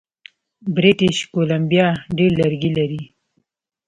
بریټیش کولمبیا ډیر لرګي لري.